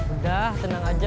udah tenang aja